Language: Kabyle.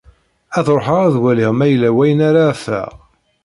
Ad ruḥeɣ ad waliɣ ma yella wayen ara afeɣ.